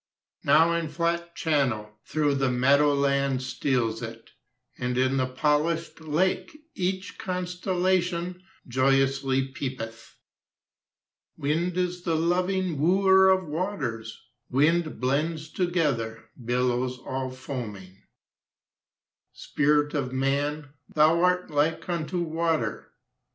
Now, in flat channel, Through the meadowland steals it, And in the polish'd lake Each constellation Joyously peepeth. Wind is the loving Wooer of waters; Wind blends together Billows all foaming. Spirit of man, Thou art like unto water!